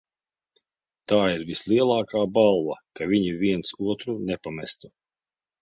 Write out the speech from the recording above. Tā ir vislielākā balva, ka viņi viens otru nepamestu.